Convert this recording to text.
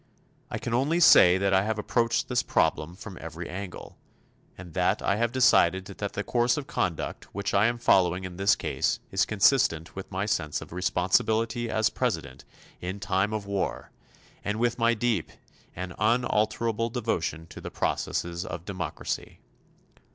I can only say that I have approached this problem from every angle, and that I have decided that the course of conduct which I am following in this case is consistent with my sense of responsibility as President in time of war, and with my deep and unalterable devotion to the processes of democracy.